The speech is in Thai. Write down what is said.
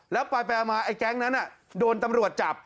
แล้วไปมาไอ้แก๊งนั้นโดนตำรวจจับ